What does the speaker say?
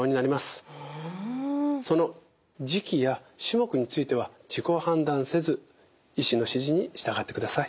その時期や種目については自己判断せず医師の指示に従ってください。